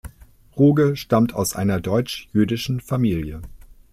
Ruge stammt aus einer deutsch-jüdischen Familie.